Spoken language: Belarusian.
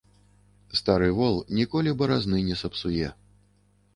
Стары вол ніколі баразны не сапсуе.